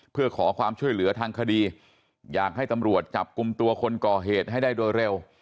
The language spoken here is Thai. เพื่อขอความช่วยเหลือทางคดีอยากให้ตำรวจจับกลุ่มตัวคนก่อเหตุให้ได้โดยเร็ว